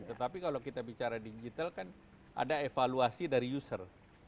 tetapi kalau kita bicara digital kan ada evaluasi dari user